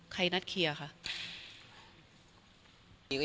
นัดเคลียร์คะ